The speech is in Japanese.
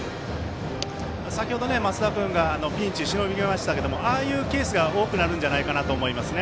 先ほど、増田君がピンチをしのぎましたけどああいうケースが多くなるんじゃないかなと思います。